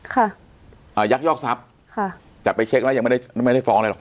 ค่ะอ่ายักยอกทรัพย์ค่ะแต่ไปเช็คแล้วยังไม่ได้ไม่ได้ฟ้องอะไรหรอก